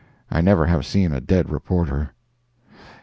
I never have seen a dead reporter.